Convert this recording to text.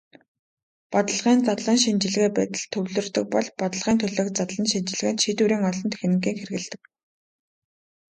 Бодлогын задлан шинжилгээ байдалд төвлөрдөг бол бодлогын төлөөх задлан шинжилгээнд шийдвэрийн олон техникийг хэрэглэдэг.